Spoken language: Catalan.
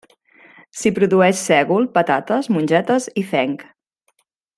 S'hi produeix sègol, patates, mongetes i fenc.